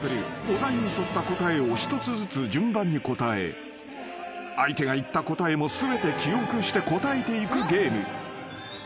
［お題に沿った答えを一つずつ順番に答え相手が言った答えも全て記憶して答えていくゲーム］